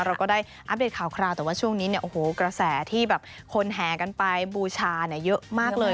เราก็ได้อัปเดตข่าวคราวแต่ว่าช่วงนี้กระแสที่คนแหกันไปบูชาเยอะมากเลย